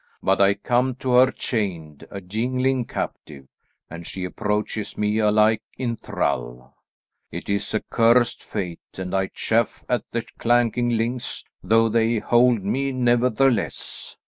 But I come to her chained; a jingling captive, and she approaches me alike in thrall. It is a cursed fate, and I chafe at the clanking links, though they hold me nevertheless.